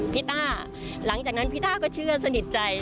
ต้าหลังจากนั้นพี่ต้าก็เชื่อสนิทใจ